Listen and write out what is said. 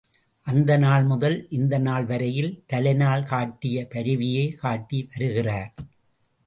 அந்த நாள்முதல் இந்த நாள் வரையில் தலை நாள் காட்டிய பரிவையே காட்டி வருகிறார்!